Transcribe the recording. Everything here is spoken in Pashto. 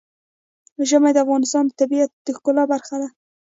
ژمی د افغانستان د طبیعت د ښکلا برخه ده.